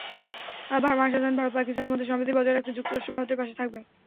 ভার্মা আশ্বাস দেন, ভারত-পাকিস্তানের মধ্যে সম্প্রীতি বজায় রাখতে যুক্তরাষ্ট্র ভারতের পাশে থাকবে।